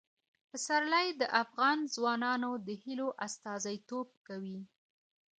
پسرلی د افغان ځوانانو د هیلو استازیتوب کوي.